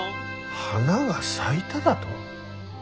花が咲いただと？